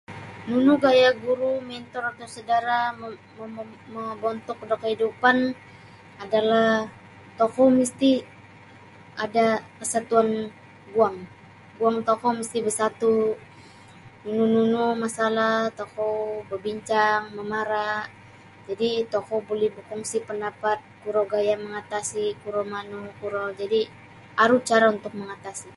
Nunu gaya' guru' mentor atau saudara' mom momo mobontuk da kaidupan adalah tokou misti' ada' kasatuan guang guang tokou misti basatu' nunu-nunu masalah tokou babincang mamara' jadi' tokou buli bakongsi pandapat kuro gaya' mangatasi kuro manu kuro jadi' aru cara untuk mangatasi'.